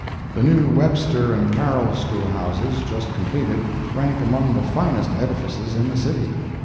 The new Webster and Carroll school houses, just completed, rank among the finest edifices in the city.